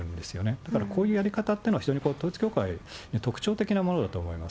だからこういうやり方っていうのは、非常に統一教会、特徴的なものだと思います。